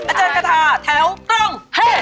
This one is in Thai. อาจารย์คาทาแถวตรง